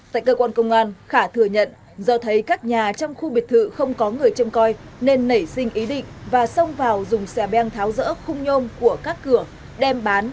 tại cơ quan công an khà thừa nhận do thấy các nhà trong khu biệt thự không có người châm coi nên nảy sinh ý định và xông vào dùng xe beng tháo rỡ khung nhôm của các cửa đem bán